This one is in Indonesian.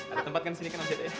ada tempat kan di sini kan mas